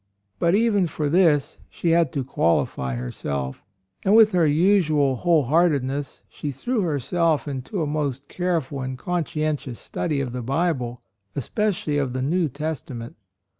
But even for this she had to qualify 36 A ROYAL SON herself, and with her usual whole heartedness she threw herself into a most careful and conscientious study of the Bible, especially of the New Testament.